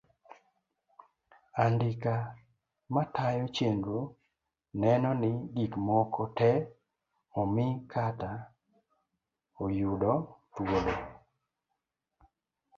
Andika matayo chenro neno ni gik moko tee omi kata oyudo thuolo.